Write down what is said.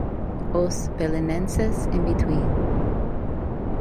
Os Belenenses in between.